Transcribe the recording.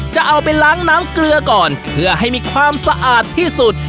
จะเอาไปล้างน้ำเกลือก่อนเพื่อให้มีความสะอาดที่สุด